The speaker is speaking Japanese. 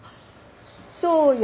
そうよ！